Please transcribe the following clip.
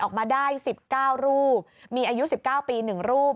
ออกมาได้๑๙รูปมีอายุ๑๙ปี๑รูป